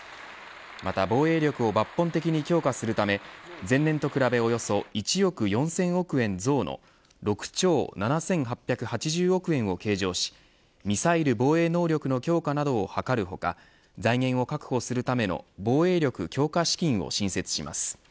また防衛力を抜本的に強化するため前年と比べおよそ１億４０００億円増の６兆７８８０億円を計上しミサイル防衛能力の強化などを図る他財源を確保するための防衛力強化資金を新設します。